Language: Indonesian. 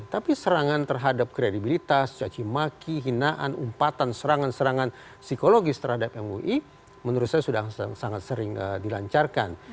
tapi serangan terhadap kredibilitas cacimaki hinaan umpatan serangan serangan psikologis terhadap mui menurut saya sudah sangat sering dilancarkan